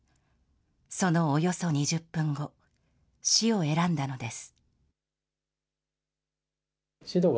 そのおよそ２０分後、死を選んだのです。